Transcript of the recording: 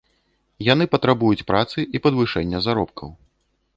Яны патрабуюць працы і падвышэння заробкаў.